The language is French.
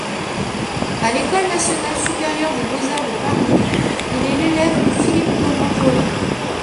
A l’École nationale supérieure des beaux-arts de Paris, il est l’élève de Philippe-Laurent Roland.